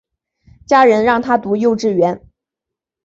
家人让她读幼稚园